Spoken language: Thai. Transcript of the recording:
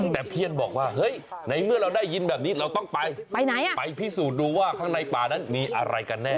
แต่เพี้ยนบอกว่าเฮ้ยในเมื่อเราได้ยินแบบนี้เราต้องไปไปไหนอ่ะไปไปพิสูจน์ดูว่าข้างในป่านั้นมีอะไรกันแน่